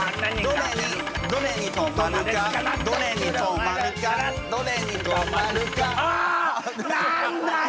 どれにどれに止まるかどれに止まるかどれに止まるかあ何だよ！